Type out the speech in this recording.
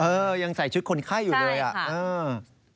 เออยังใส่ชุดคนไข้อยู่เลยอะเออค่ะใช่ค่ะ